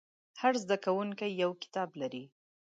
هر زده کوونکی یو کتاب لري.